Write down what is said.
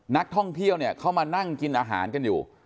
นักท่องเที่ยวเนี่ยเข้ามานั่งกินอาหารกันอยู่